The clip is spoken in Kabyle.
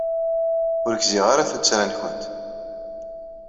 Ur gziɣ ara tuttra-nwent.